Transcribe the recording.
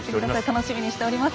楽しみにしております。